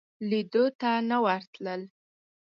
لیدلو ته نه ورتلل.